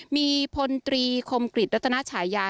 มีผลตรีคมกลิดรัตนักฉายา